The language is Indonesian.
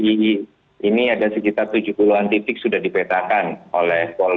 jadi ini ada sekitar tujuh puluh an titik sudah dipetakan oleh polisi